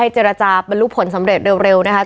ให้เจรจาเป็นรูปผลสำเร็จเร็วนะคะ